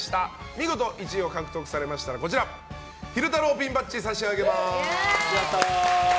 見事１位を獲得されましたら昼太郎ピンバッジを差し上げます。